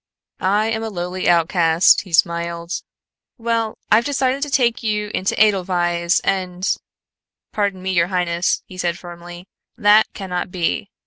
"I am a lowly outcast," he smiled. "Well, I've decided to take you into Edelweiss and " "Pardon me, your highness," he said firmly, "That cannot be.